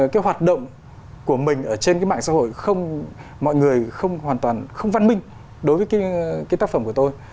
cái hoạt động của mình ở trên cái mạng xã hội không mọi người không hoàn toàn không văn minh đối với cái tác phẩm của tôi